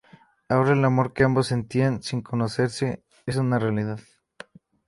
Ahora el amor que ambos sentían sin conocerse, es una realidad.